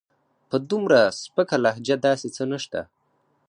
په دومره سپکه لهجه داسې څه نشته.